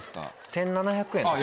１７００円。